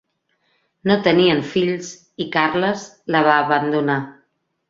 No tenien fills i Carles la va abandonar.